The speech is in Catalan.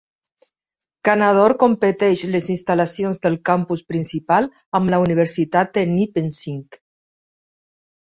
Canadore comparteix les instal·lacions del campus principal amb la Universitat de Nipissing.